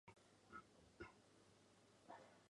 末端跨越牛稠溪接万丹乡大昌路至社皮。